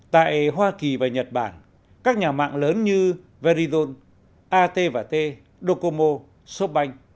tại hoa kỳ và nhật bản các nhà mạng lớn như verizon at t docomo shopbank